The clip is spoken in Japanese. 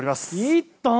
いっとん。